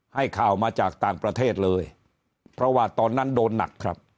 ให้ข่าวมาจากต่างประเทศเลยเพราะว่าตอนนั้นโดนหนักครับ